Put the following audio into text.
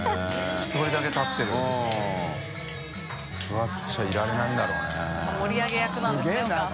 １人だけ立ってる。）座っちゃいられないんだろうね。）盛り上げ役なんですねお母さん。）